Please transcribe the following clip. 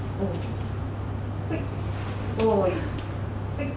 はい。